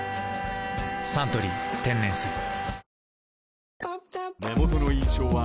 「サントリー天然水」フフ。